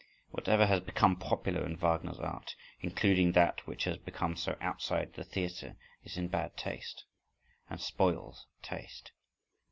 Whatever has become popular in Wagner's art, including that which has become so outside the theatre, is in bad taste and spoils taste.